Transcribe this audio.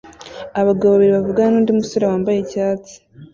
Abagabo babiri bavugana nundi musore wambaye icyatsi